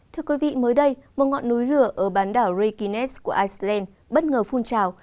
thưa quý vị mới đây một ngọn núi lửa ở bán đảo rikunes của iceland bất ngờ phun trào